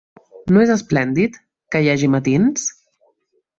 No és esplèndid, que hi hagi matins?